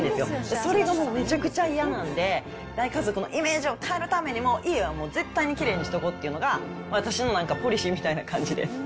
それがめちゃくちゃ嫌なんで、大家族のイメージを変えるためにも、家は絶対にきれいにしとこうというのが、私のポリシーみたいな感じです。